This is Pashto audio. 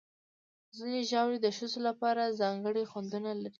ځینې ژاولې د ښځو لپاره ځانګړي خوندونه لري.